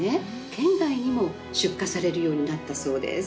県外にも出荷されるようになったそうです。